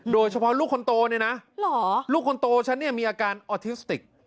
โดยเฉพาะลูกคนโตนี่นะลูกคนโตฉันมีอาการออทิสติก